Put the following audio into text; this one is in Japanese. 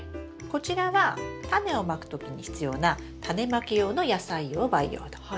こちらはタネをまくときに必要なタネまき用の野菜用培養土。